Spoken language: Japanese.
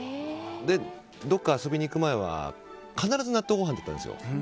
どこか遊びに行く前は必ず納豆ご飯だったんですよ。